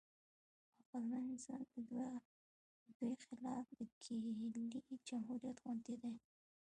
عقلمن انسان د دوی خلاف د کیلې جمهوریت غوندې دی.